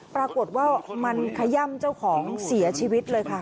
ปรากฏว่ามันขย่ำเจ้าของเสียชีวิตเลยค่ะ